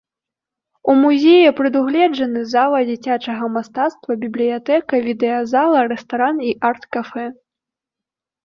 У музеі прадугледжаны зала дзіцячага мастацтва, бібліятэка, відэазала, рэстаран і арт-кафэ.